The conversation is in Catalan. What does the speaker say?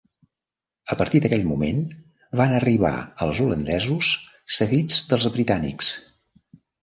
A partir d'aquell moment van arribar els holandesos, seguits dels britànics.